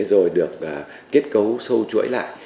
rồi được kết cấu sâu chuỗi lại